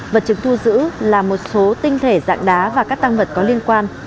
vật chứng thu giữ là một số tinh thể dạng đá và các tăng vật có liên quan